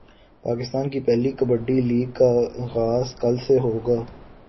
پاکستان کی پہلی کبڈی لیگ کا غاز کل سے ہوگا